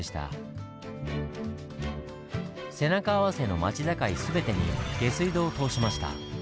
背中合わせの町境全てに下水道を通しました。